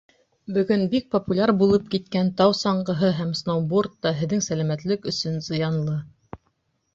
Бөгөн бик популяр булып киткән тау саңғыһы һәм сноуборд та һеҙҙең сәләмәтлек өсөн зыянлы.